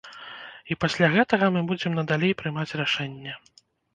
І пасля гэтага мы будзем надалей прымаць рашэнне.